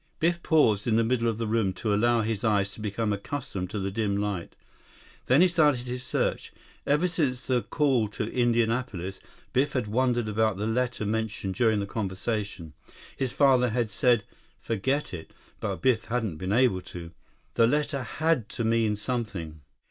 Biff paused in the middle of the room to allow his eyes to become accustomed to the dim light. Then he started his search. Ever since the call to Indianapolis, Biff had wondered about the letter mentioned during the conversation. His father had said, "Forget it," but Biff hadn't been able to. The letter had to mean something.